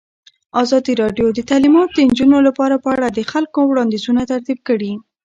ازادي راډیو د تعلیمات د نجونو لپاره په اړه د خلکو وړاندیزونه ترتیب کړي.